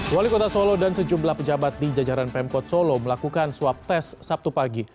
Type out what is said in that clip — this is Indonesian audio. wali kota solo dan sejumlah pejabat di jajaran pemkot solo melakukan swab test sabtu pagi